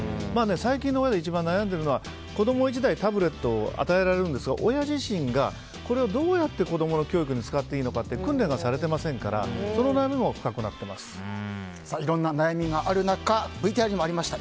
最近親が一番悩んでるのは子供１台タブレットが与えられるんですが、親自身がこれはどうやって子供の教育に使っていいのかという訓練がされてませんからいろんな悩みがある中ＶＴＲにもありました